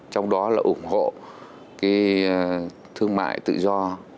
trong đó là ủng hộ thương mại tự do